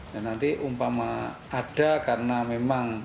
dan nanti umpama ada karena memang